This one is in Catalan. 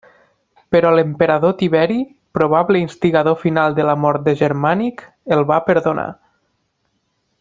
Però l'emperador Tiberi, probable instigador final de la mort de Germànic, el va perdonar.